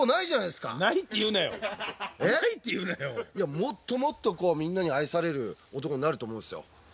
もっともっとみんなに愛される男になると思いますよ。